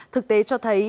thực tế cho thấy